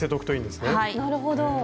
なるほど。